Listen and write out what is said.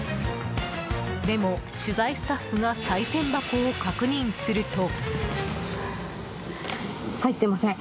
でも、取材スタッフがさい銭箱を確認すると。